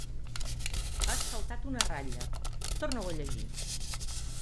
Has saltat una ratlla: torna-ho a llegir.